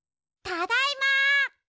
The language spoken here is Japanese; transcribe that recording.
ただいま！